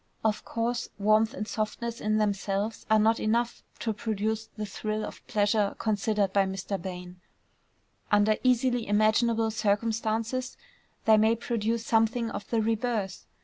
Of course warmth and softness in themselves are not enough to produce the thrill of pleasure considered by Mr. Bain: under easily imaginable circumstances they may produce something of the reverse.